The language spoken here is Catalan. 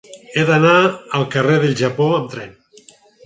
He d'anar al carrer del Japó amb tren.